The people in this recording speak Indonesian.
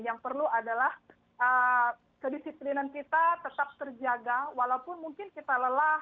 yang perlu adalah kedisiplinan kita tetap terjaga walaupun mungkin kita lelah